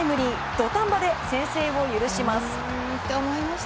土壇場で先制を許します。